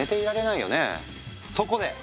そこで！